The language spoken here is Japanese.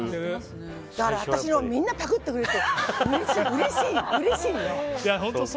だから私のみんなパクってくれてうれしいのよ。